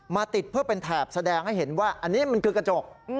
ติดเพื่อเป็นแถบแสดงให้เห็นว่าอันนี้มันคือกระจก